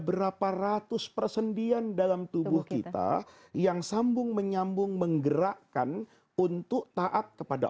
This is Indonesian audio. berapa ratus persendian dalam tubuh kita yang sambung menyambung menggerakkan untuk taat kepada